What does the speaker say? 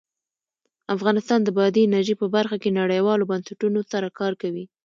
افغانستان د بادي انرژي په برخه کې نړیوالو بنسټونو سره کار کوي.